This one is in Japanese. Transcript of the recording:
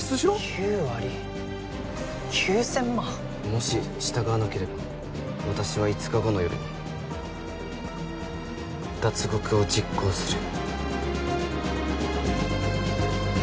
「もし従わなければ私は５日後の夜に脱獄を実行する」